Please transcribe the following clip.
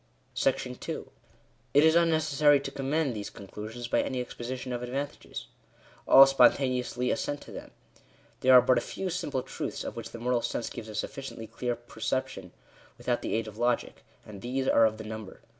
§*• It is unnecessary to commend these conclusions by any exposition of advantages. All spontaneously assent to them. There are a few simple truths of which the moral sense gives a sufficiently clear perception without the aid of logic ; and these are of the number.